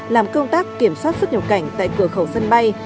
làm công tác kiểm soát xuất nhập cảnh tại cửa khẩu sân bay